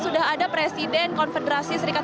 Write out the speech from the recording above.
sudah ada presiden konfederasi serikat